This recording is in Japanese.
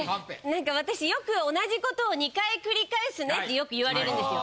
なんか私よく同じことを２回繰り返すねってよく言われるんですよ。